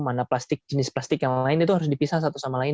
mana plastik jenis plastik yang lain itu harus dipisah satu sama lain